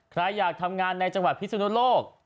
ใครอยากทำงานในจังหวัดพิสุนโลก